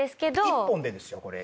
１本でですよこれ。